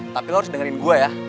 tapi lo harus dengerin gue ya